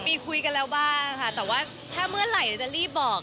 มีคุยกันแล้วบ้างค่ะแต่ว่าถ้าเมื่อไหร่จะรีบบอก